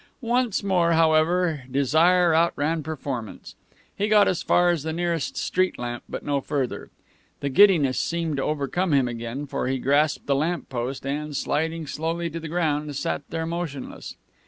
Once more, however, desire outran performance. He got as far as the nearest street lamp, but no further. The giddiness seemed to overcome him again, for he grasped the lamp post, and, sliding slowly to the ground, sat there motionless.